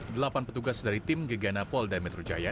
delapan petugas dari tim gegana polda metro jaya